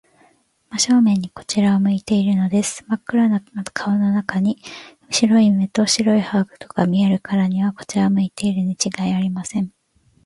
真正面にこちらを向いているのです。まっ黒な顔の中に、白い目と白い歯とが見えるからには、こちらを向いているのにちがいありません。